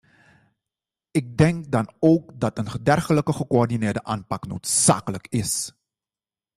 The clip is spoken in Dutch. Ik denk dan ook dat een dergelijke gecoördineerde aanpak noodzakelijk is.